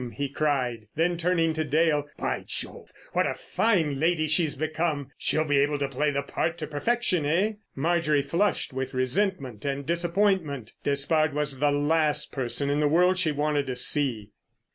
he cried; then, turning to Dale: "By Jove, what a fine lady she's become! She'll be able to play the part to perfection, eh?" Marjorie flushed with resentment and disappointment. Despard was the last person in the world she wanted to see.